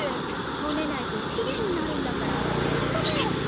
ほめないと不機嫌になるんだからホントめいわく。